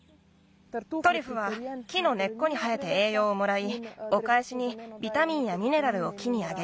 トリュフは木のねっこに生えてえいようをもらいおかえしにビタミンやミネラルを木にあげる。